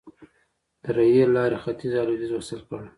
د ریل لارې ختیځ او لویدیځ وصل کړل.